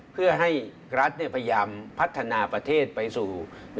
เพื่อให้รัฐพยายามพัฒนาประเทศไปสู่